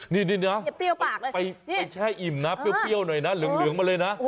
นี่นะไปแช่อิ่มนะเปรี้ยวหน่อยนะเหลืองมาเลยนะ